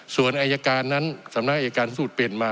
ส่วนอายการนั้นสำนักอายการสูตรเปลี่ยนมา